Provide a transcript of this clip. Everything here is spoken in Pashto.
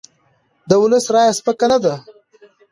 د ولس رایه سپکه نه ده